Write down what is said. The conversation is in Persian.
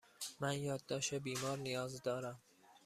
من یادداشت بیمار نیاز دارم.